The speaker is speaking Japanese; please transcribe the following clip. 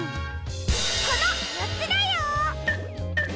このよっつだよ！